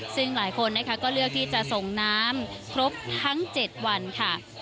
ซึ่งหลายคนนะคะก็เลือกที่จะส่งน้ำครบทั้ง๗วันค่ะ